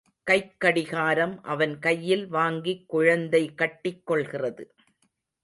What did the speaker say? கைக் கடிகாரம் அவன் கையில் வாங்கிக் குழந்தை கட்டிக் கொள்கிறது.